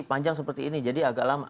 panjang seperti ini jadi agak lama